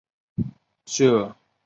这两座塔设计成可以抵御核爆。